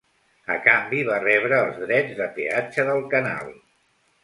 A canvi, va rebre els drets de peatge del canal.